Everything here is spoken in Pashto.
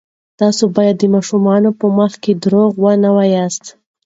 تاسې باید د ماشومانو په مخ کې درواغ ونه وایاست.